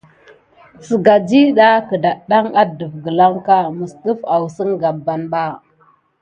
Sigan ɗiɗa ada kidan ɗe gəban kesinki, lukutu nà.